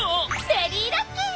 ベリーラッキー！